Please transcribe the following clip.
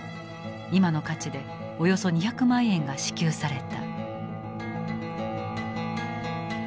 今の価値でおよそ２００万円が支給された。